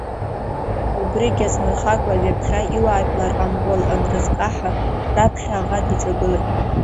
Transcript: Убригьы азмыр-хакәа, ҩаԥхьа иуаажәлар амҟәыл анрызкаҳа, раԥхьа аӷа диҿагылеит.